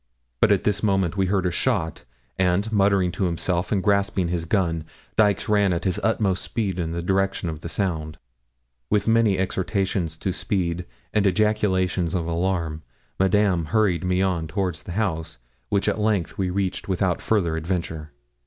But at this moment we heard a shot, and, muttering to himself and grasping his gun, Dykes ran at his utmost speed in the direction of the sound. With many exhortations to speed, and ejaculations of alarm, Madame hurried me on toward the house, which at length we reached without further adventure.